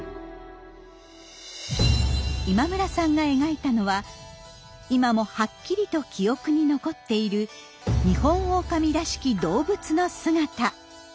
今村さんが描いたのは今もはっきりと記憶に残っているニホンオオカミらしき動物の姿。